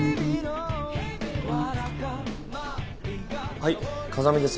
はい風見です。